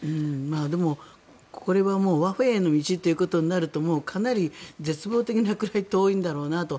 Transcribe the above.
でも、これはもう和平への道ということになるとかなり、絶望的なくらい遠いんだろうなと。